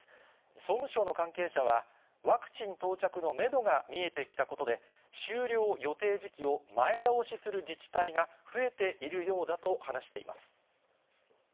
総務省の関係者は、ワクチン到着のメドが見えてきたことで、終了予定時期を前倒しする自治体が増えているようだと話しています。